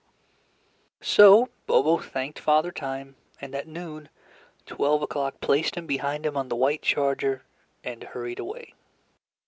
So Bobo thanked Father Time, and at noon, Twelve O'Clock placed him behind him on the white charger, and hurried away.